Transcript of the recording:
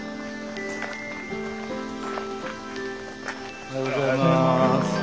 おはようございます。